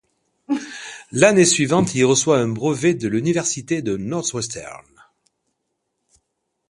L'année suivante, il reçoit un brevet de l'université Northwestern.